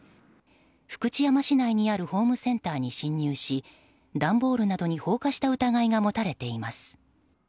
福知山市内にあるホームセンターに侵入し段ボールなどに放火した疑いが持たれています。